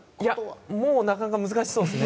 もうなかなか難しそうですね。